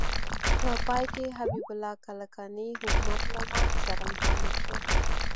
په پای کې حبیب الله کلکاني حکومت له ماتې سره مخامخ شو.